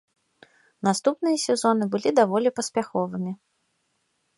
Наступныя сезоны былі даволі паспяховымі.